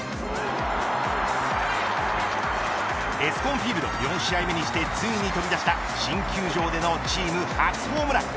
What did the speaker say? エスコンフィールド４試合目にしてついに飛び出した新球場でのチーム初ホームラン。